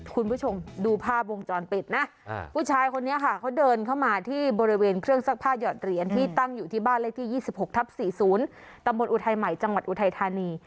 คุณผู้ชมดูภาพวงจรปิดนะผู้ชายคนนี้ค่ะเขาเดินเข้ามาที่บริเวณเครื่องซักผ้าหยอดเหรียญที่ตั้งอยู่ที่บ้านเลขที่๒๖ทับ๔๐ตำบลอุทัยใหม่จังหวัดอุทัยธานี